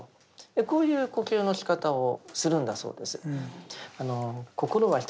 こういう呼吸のしかたをするんだそうです。